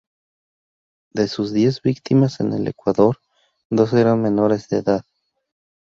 De sus diez víctimas en el Ecuador, dos eran menores de edad.